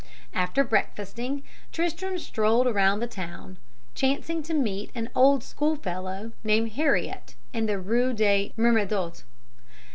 "After breakfasting, Tristram strolled about the town, chancing to meet an old school fellow, named Heriot, in the Rue de Mermadotte.